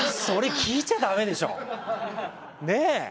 それ聞いちゃダメでしょ。ねぇ？